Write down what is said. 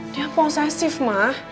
dia posesif ma